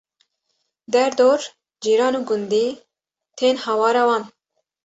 Der dor, cîran û gundî tên hewara wan